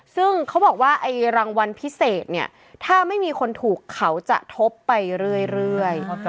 ซึ่งเขาบอกว่าไอ้รางวัลพิเศษเนี่ยถ้าไม่มีคนถูกเขาจะทบไปเรื่อย